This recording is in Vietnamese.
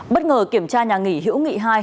bất ngờ kiểm tra nhà nghỉ hữu nghị hai